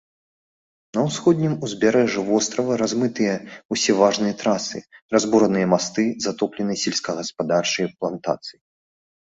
На ўсходнім узбярэжжы вострава размытыя ўсе важныя трасы, разбураныя масты, затопленыя сельскагаспадарчыя плантацыі.